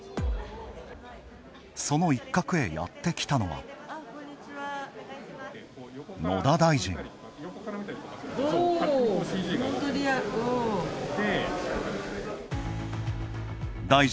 その一角へ、やってきたのは野田大臣。